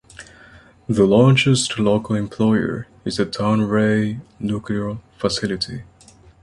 The largest local employer is the Dounreay nuclear facility.